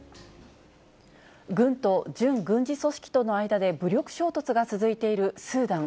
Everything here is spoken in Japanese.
軍と準軍事組織との間で、武力衝突が続いているスーダン。